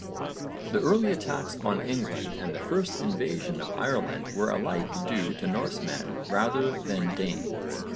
The early attacks on England and the first invasion of Ireland were alike due to Norsemen rather than Danes.